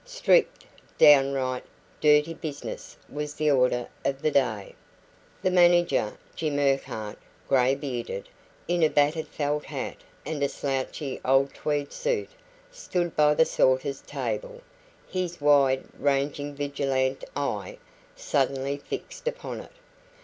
Strict, downright, dirty business was the order of the day. The manager Jim Urquhart, grey bearded, in a battered felt hat and a slouchy old tweed suit stood by the sorter's table, his wide ranging, vigilant eye suddenly fixed upon it.